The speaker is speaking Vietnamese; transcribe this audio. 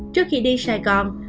trước khi đi sài gòn